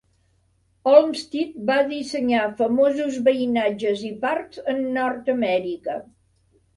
Olmsted va dissenyar famosos veïnatges i parcs en Nord Amèrica.